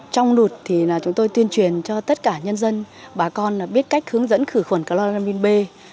trong lụt thì chúng tôi tuyên truyền cho tất cả nhân dân bà con biết cách hướng dẫn khử khuẩn chloramin b